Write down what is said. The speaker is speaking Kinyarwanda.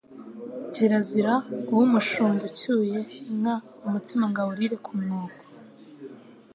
Kirazira guha umushumba ucyuye inka umutsima ngo awurire ku mwuko,